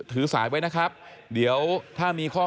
ถือสายไว้นะครับเดี๋ยวถ้ามีข้อ